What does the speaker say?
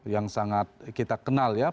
yang sangat kita kenal ya